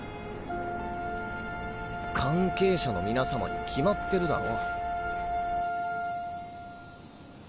関係者の皆様に決まってるだろ。